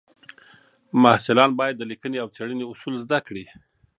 محصلان باید د لیکنې او څېړنې اصول زده کړي.